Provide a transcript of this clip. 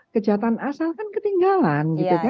kejahatan asal kan ketinggalan